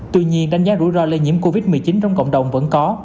tuy nhiên đánh giá rủi ro lây nhiễm covid một mươi chín trong cộng đồng vẫn có